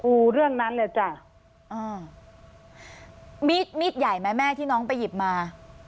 เรื่องนั้นเลยจ้ะอ่ามีดมีดใหญ่ไหมแม่ที่น้องไปหยิบมา